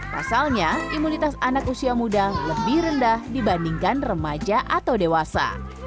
pasalnya imunitas anak usia muda lebih rendah dibandingkan remaja atau dewasa